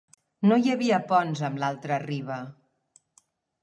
No hi havia ponts amb l'altra riba.